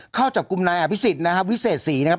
เข้าจับกลุ่มนายอภิสิทธิ์นะฮะวิเศษสี่นะครับ